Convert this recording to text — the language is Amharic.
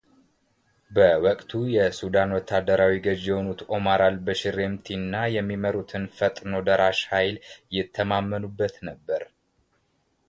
በወቅቱ የሱዳኑ ወታደራዊ ገዥ የሆኑት ኦማር አልበሽር ሄምቲ እና የሚመሩትን ፈጥኖ ደራሽ ኃይል ይተማመኑበት ነበር።